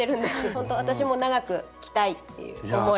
ほんと私も長く着たいっていう思いが。